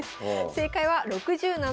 正解は６７回。